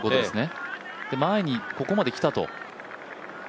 前にここまで来たと。